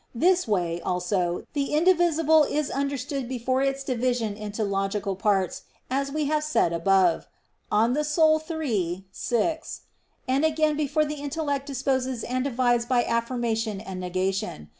This way, also, the indivisible is understood before its division into logical parts, as we have said above (De Anima iii, 6); and again before the intellect disposes and divides by affirmation and negation.